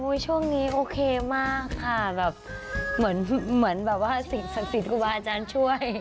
ช่วงนี้โอเคมากค่ะแบบเหมือนแบบว่าสิ่งศักดิ์สิทธิ์ครูบาอาจารย์ช่วย